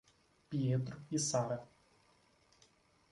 Pietro e Sarah